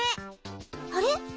あれ？